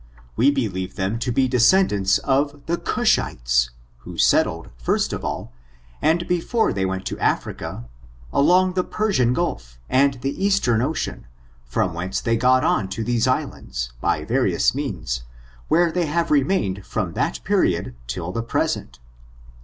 We believe them to be desceod ants of the Cushites, who settled, first of all, and be fore they went to Africa, along the Persian Gulf, and the Eastern Ocean, from whence they got on to these islands, by various means, where they have remained from that period till the present.